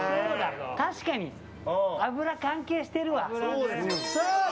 確かに、脂関係してるわ。